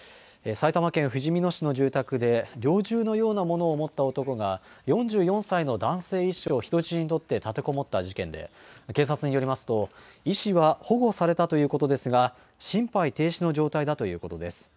埼玉県ふじみ野市の住宅で、猟銃のようなものを持った男が、４４歳の男性医師らを人質に取って立てこもった事件で、警察によりますと、医師は保護されたということですが、心肺停止の状態だということです。